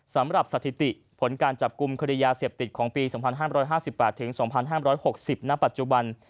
สำหรับสถิติผลการจับกลุ่มคดียาเสพติดของปี๒๕๕๘๒๕๖๐ณปัจจุบัน